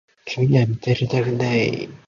君には見られたくない山だった